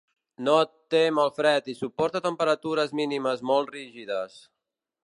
No tem el fred i suporta temperatures mínimes molt rígides.